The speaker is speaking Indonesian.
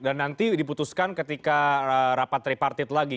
dan nanti diputuskan ketika rapat repartit lagi